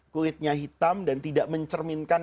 kulitnya hitam dan tidak mencerminkan